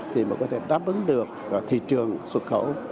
thì mới có thể đáp ứng được thị trường xuất khẩu